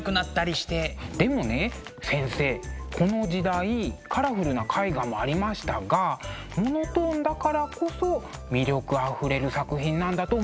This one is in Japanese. でもね先生この時代カラフルな絵画もありましたがモノトーンだからこそ魅力あふれる作品なんだと思うんです。